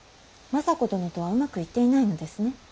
政子殿とはうまくいっていないのですね。